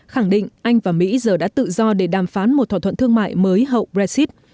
khẳng định anh và mỹ giờ đã tự do để đàm phán một thỏa thuận thương mại mới hậu brexit